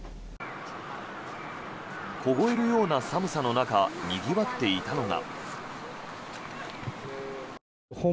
凍えるような寒さの中にぎわっていたのが。